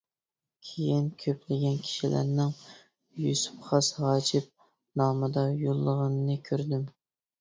كىيىن كۆپلىگەن كىشىلەرنىڭ يۈسۈپ خاس ھاجىپ نامىدا يوللىغىنىنى كۆردۈم.